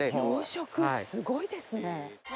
養殖すごいですね。